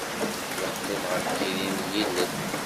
Yeqqim ɣef yiri n yilel.